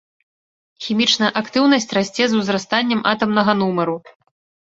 Хімічная актыўнасць расце з узрастаннем атамнага нумару.